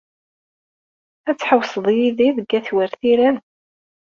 Ad tḥewwseḍ yid-i deg at Wertilen?